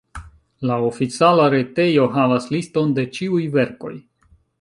La oficiala retejo havas liston de ĉiuj verkoj.